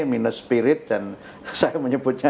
minus spirit dan saya menyebutnya